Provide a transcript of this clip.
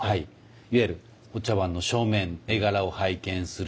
いわゆるお茶碗の正面絵柄を拝見する。